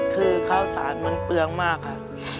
คือข้าวสารมันเปลืองมากค่ะ